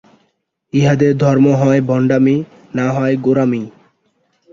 ইহাদের ধর্ম হয় ভণ্ডামি, না হয় গোঁড়ামি।